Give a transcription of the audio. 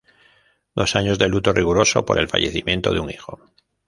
Dos años de luto riguroso por el fallecimiento de un hijo.